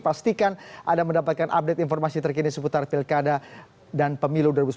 pastikan anda mendapatkan update informasi terkini seputar pilkada dan pemilu dua ribu sembilan belas